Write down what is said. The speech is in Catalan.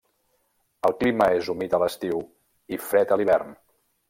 El clima és humit a l'estiu i fred a l'hivern.